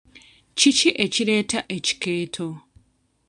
Kiki ekireeta ekikeeto?